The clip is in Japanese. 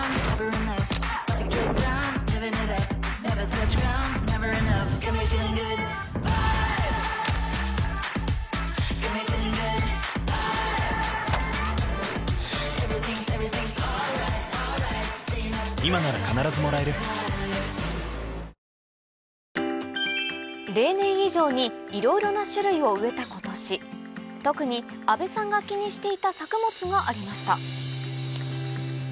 この後例年以上にいろいろな種類を植えた今年特に阿部さんが気にしていた作物がありました